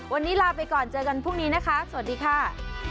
วันนี้ลาไปก่อนเจอกันพรุ่งนี้นะคะสวัสดีค่ะ